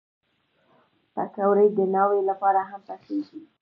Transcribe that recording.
پکورې د ناوې لپاره هم پخېږي